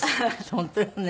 本当よね。